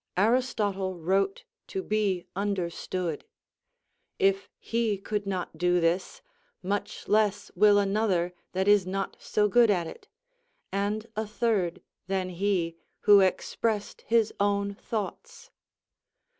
Aristotle wrote to be understood; if he could not do this, much less will another that is not so good at it; and a third than he, who expressed his own thoughts.